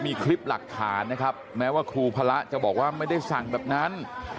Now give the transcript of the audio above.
มีคลิปหลักฐานนะครับแม้ว่าครูพระจะบอกว่าไม่ได้สั่งแบบนั้น